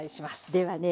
ではね